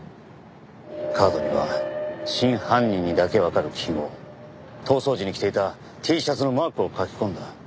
カードには真犯人にだけわかる記号逃走時に着ていたＴシャツのマークを描き込んだ。